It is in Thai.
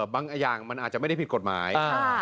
บางอย่างมันอาจจะไม่ได้ผิดกฎหมาย